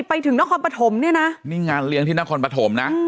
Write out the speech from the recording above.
ไปถึงนครปฐมเนี่ยนะนี่งานเลี้ยงที่นครปฐมนะ